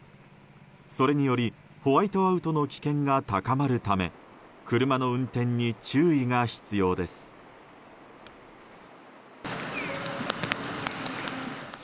それにより、ホワイトアウトの危険が高まるため車の運転に注意が必要です。